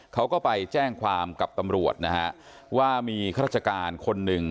เขาก็ไปแจ้งความกับตำรวจนะฮะว่ามีข้าราชการคนหนึ่ง